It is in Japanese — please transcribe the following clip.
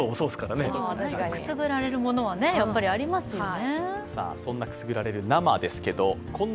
くすぐられるものも確かにありますよね。